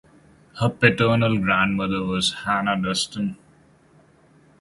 Her paternal grandmother was Hannah Duston.